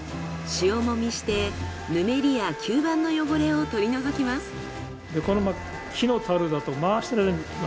塩揉みしてぬめりや吸盤の汚れを取り除きます。